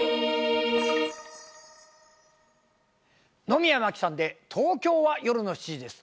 野宮真貴さんで『東京は夜の七時』です。